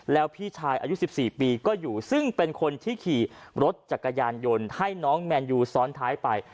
แล้วพี่ชายอายุ๑๔ปีก็อยู่ซึ่งเป็นคนที่ขี่รถจักรยานยนต์ให้น้องแมนยูซ้อนท้ายไป